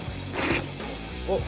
おっ！